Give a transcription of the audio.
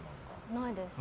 ないです。